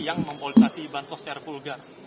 yang mempolisasi bansos secara vulgar